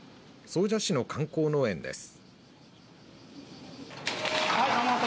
総社市の観光農園です。